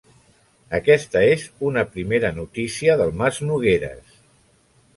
Aquesta és una primera notícia del Mas Nogueres.